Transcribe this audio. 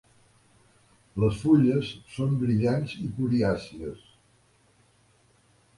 Les fulles són brillants i coriàcies.